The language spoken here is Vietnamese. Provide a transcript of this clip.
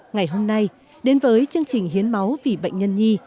ngày hôm nay đến với chương trình hiến máu vì bệnh nhân nhi